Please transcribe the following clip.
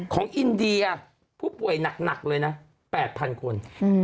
อินเดียผู้ป่วยหนักเลยนะ๘๐๐คน